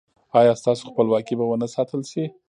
ایا ستاسو خپلواکي به و نه ساتل شي؟